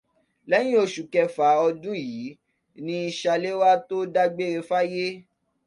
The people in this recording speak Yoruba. Lẹ́yìn oṣù kẹfà ọdún yìí ni Ṣaléwá tó dágbére fáyé